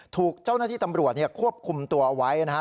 ถูกเจ้าหน้าที่ตำรวจควบคุมตัวเอาไว้นะฮะ